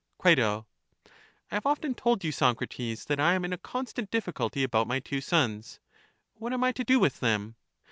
Cri. I have often told you, Socrates, that I am in a constant difficulty about my two sons. What am I to do with them?